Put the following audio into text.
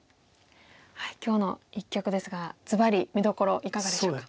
今日の一局ですがずばり見どころいかがでしょうか？